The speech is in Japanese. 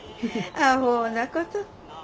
あほうなこと。